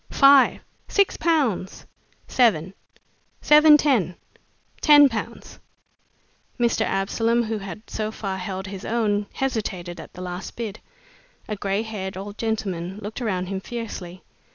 "Five!" "Six pounds!" "Seven!" "Seven ten!" "Ten pounds!" Mr. Absolom, who so far had held his own, hesitated at the last bid. A gray haired old gentleman looked around him fiercely.